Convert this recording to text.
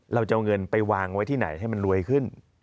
เราจะเอาเงินไปวางไว้ที่ไหนให้มันรวยขึ้น